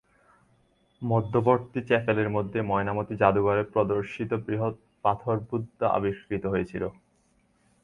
মধ্যবর্তী চ্যাপেলের মধ্যে ময়নামতি যাদুঘরে প্রদর্শিত বৃহৎ পাথর বুদ্ধ আবিষ্কৃত হয়েছিল।